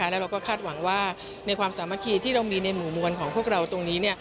แล้วเราก็คาดหวังว่าในความสามัคคีที่เรามีในหมู่มวลของพวกเราตรงนี้